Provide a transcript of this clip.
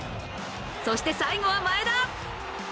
そして最後は前田！